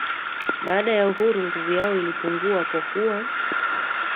Baada ya uhuru nguvu yao ilipungua kwa kuwa